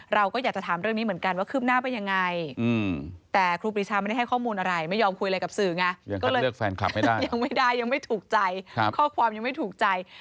เราก็อยากจะทำเรื่องนี้เหมือนกันว่าขึ้นหน้าเป็นอย่างไร